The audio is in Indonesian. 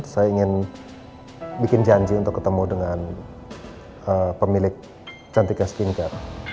saya ingin bikin janji untuk ketemu dengan pemilik cantika skincare